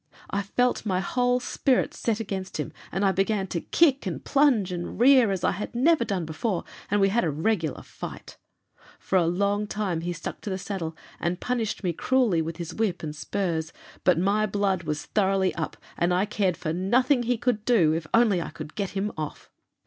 I felt my whole spirit set against him, and I began to kick, and plunge, and rear as I had never done before, and we had a regular fight; for a long time he stuck to the saddle and punished me cruelly with his whip and spurs, but my blood was thoroughly up, and I cared for nothing he could do if only I could get him off.